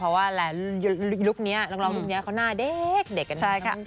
เพราะว่าลูกนี้รักร้องลูกนี้เขาหน้าเด็กกันนะครับ